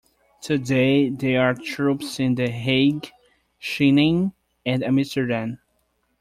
Today there are troops in The Hague, Schinnen and Amsterdam.